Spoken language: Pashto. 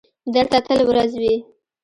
دلته تل ورځ وي.